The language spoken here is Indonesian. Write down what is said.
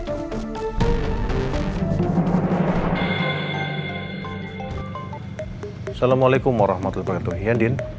assalamualaikum warahmatullahi wabarakatuh ya ndin